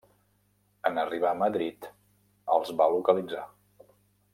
En arribar a Madrid els va localitzar.